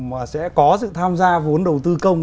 mà sẽ có sự tham gia vốn đầu tư công